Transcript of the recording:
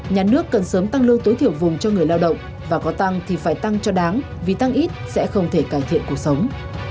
nhà nước cần sớm tăng lương tối thiểu vùng cho người lao động và có tăng thì phải tăng cho đáng vì tăng ít sẽ không thể cải thiện cuộc sống